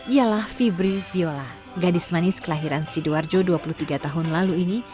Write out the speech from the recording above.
ialah fibri viola gadis manis kelahiran sidoarjo dua puluh tiga tahun lalu ini